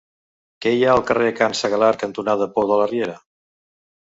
Què hi ha al carrer Can Segalar cantonada Pou de la Riera?